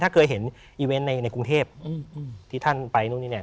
ถ้าเคยเห็นอีเวนต์ในกรุงเทพที่ท่านไปนู่นนี่เนี่ย